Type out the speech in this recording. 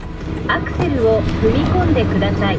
アクセルを踏み込んでください」。